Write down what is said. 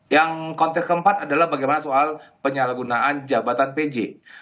yang konteks keempat adalah bagaimana soal penyalahgunaan jabatan pj